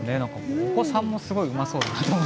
お子さんもすごいうまそうな。